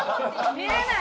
見れない！